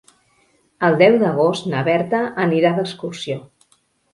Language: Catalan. El deu d'agost na Berta anirà d'excursió.